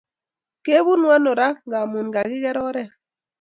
Kepunu ano raa Ngamun kakiker oret